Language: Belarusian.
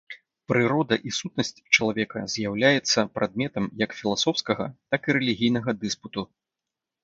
Прырода і сутнасць чалавека з'яўляецца прадметам як філасофскага, так і рэлігійнага дыспуту.